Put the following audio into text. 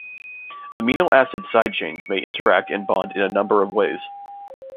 Amino acid side chains may interact and bond in a number of ways.